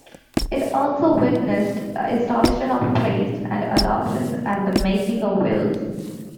It also witnessed the installation of priests, and adoptions, and the making of wills.